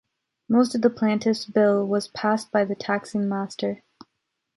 Most of the plaintiff's bill was passed by the taxing master.